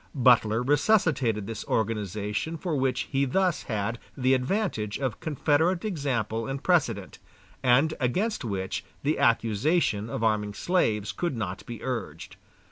Butler resuscitated this organization for which he thus had the advantage of Confederate example and precedent, and against which the accusation of arming slaves could not be urged.